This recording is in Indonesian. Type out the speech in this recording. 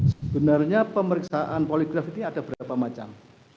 sebenarnya pemeriksaan poligraf ini ada berapa macam